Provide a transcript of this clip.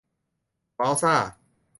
ว้าวซ่า